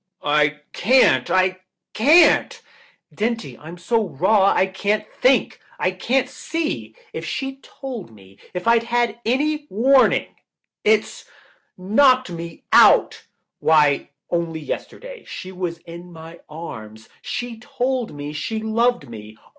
"I can't — I can't. Dinty, I'm so raw I can't think. I can't see. If she'd told me, if I'd had any warning! It's — knocked me out. Why, only yesterday, she was in my arms, she told me she loved me.